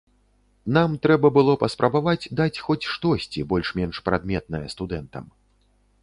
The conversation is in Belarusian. Нам трэба было паспрабаваць даць хоць штосьці больш-менш прадметнае студэнтам.